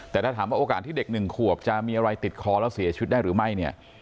แต่ถ้าถามว่าโอกาสที่เด็ก๑ขวบจะมีอะไรติดคอแล้วเสียชีวิตได้หรือไม่เนี่ย